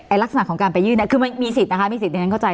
ไอ้ลักษณะของการไปยื่นคือมันมีสิทธิ์นะคะมีสิทธิ์ในนั้นเข้าใจ